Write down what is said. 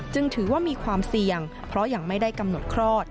จึงถือว่ามีความเสี่ยงเพราะยังไม่ได้กำหนดคลอด